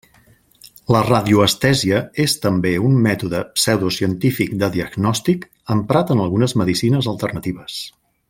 La radioestèsia és també un mètode pseudocientífic de diagnòstic emprat en algunes medicines alternatives.